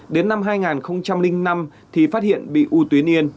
đến năm hai nghìn năm thì phát hiện bị u tuyến yên